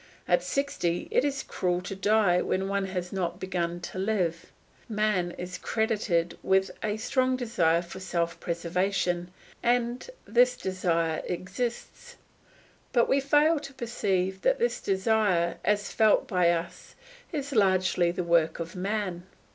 At sixty it is cruel to die when one has not begun to live. Man is credited with a strong desire for self preservation, and this desire exists; but we fail to perceive that this desire, as felt by us, is largely the work of man.